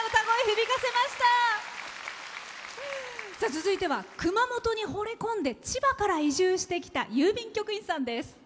続いては熊本にほれ込んで千葉から移住してきた郵便局員さんです。